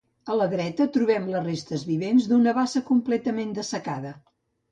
A la dreta trobem les restes vivents d'una bassa completament dessecada.